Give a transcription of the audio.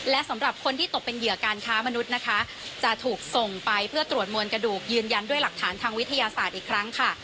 และสำหรับคนที่ตกเป็นเหยื่อการค้ามนุษย์นะคะจะถูกส่งไปเพื่อตรวจมวลกระดูกยืนยันด้วยหลักฐานทางวิทยาศาสตร์อีกครั้งค่ะ